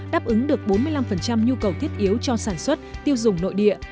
đáp ứng được bốn mươi năm nhu cầu thiết yếu cho sản xuất tiêu dùng nội địa